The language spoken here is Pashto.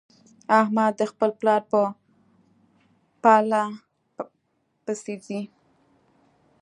احمد د خپل پلار په پله پسې ځي.